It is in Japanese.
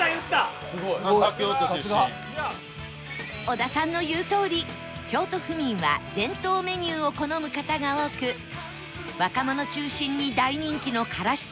小田さんの言うとおり京都府民は伝統メニューを好む方が多く若者中心に大人気のからし